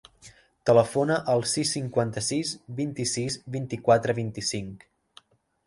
Telefona al sis, cinquanta-sis, vint-i-sis, vint-i-quatre, vint-i-cinc.